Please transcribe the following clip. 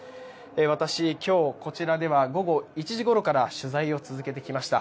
私、今日、こちらでは午後１時ごろから取材を続けてきました。